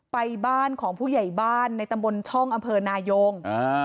ไปบ้านของผู้ใหญ่บ้านในตำบลช่องอำเภอนายง